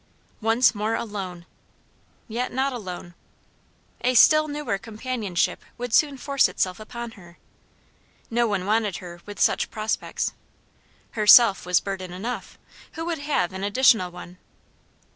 Once more alone! Yet not alone. A still newer companionship would soon force itself upon her. No one wanted her with such prospects. Herself was burden enough; who would have an additional one?